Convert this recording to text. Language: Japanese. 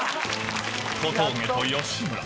小峠と吉村